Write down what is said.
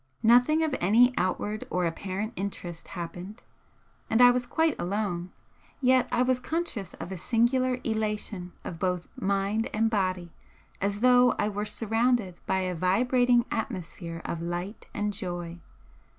Nothing of any outward or apparent interest happened, and I was quite alone, yet I was conscious of a singular elation of both mind and body as though I were surrounded by a vibrating atmosphere of light and joy.